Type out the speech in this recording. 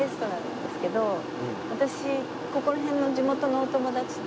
私ここら辺の。